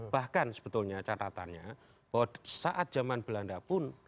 bahkan sebetulnya catatannya bahwa saat zaman belanda pun